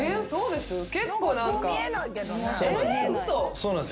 そうです？